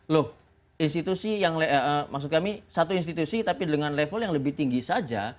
loh institusi yang maksud kami satu institusi tapi dengan level yang lebih tinggi saja